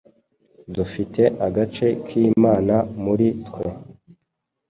Dufite agace k’Imana muri twe.